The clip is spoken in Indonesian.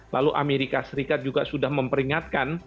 lalu amerika serikat juga sudah memperingatkan